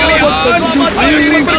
selamat tinggal sinbad